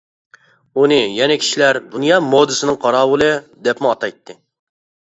ئۇنى يەنە كىشىلەر «دۇنيا مودىسىنىڭ قاراۋۇلى» دەپمۇ ئاتايتتى.